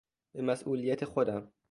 به مسئولیت خودم